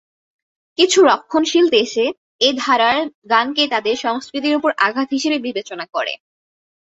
কিছু রক্ষণশীল দেশ এ ধারার গানকে তাদের সংস্কৃতির উপর আঘাত হিসেবে বিবেচনা করে।